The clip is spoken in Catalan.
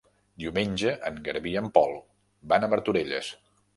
Diumenge en Garbí i en Pol van a Martorelles.